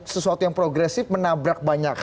sesuatu yang progresif menabrak banyak